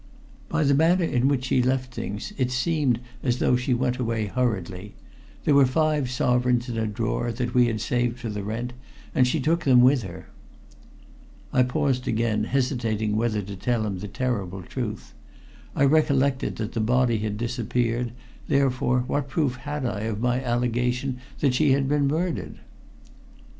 "By the manner in which she left things, it seemed as though she went away hurriedly. There were five sovereigns in a drawer that we had saved for the rent, and she took them with her." I paused again, hesitating whether to tell him the terrible truth. I recollected that the body had disappeared, therefore what proof had I of my allegation that she had been murdered?